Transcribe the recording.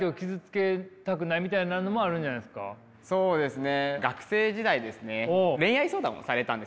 そうですね。